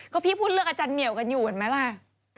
ก็พี่พูดเรื่องอาจารย์เหมียวกันอยู่เห็นไหมล่ะ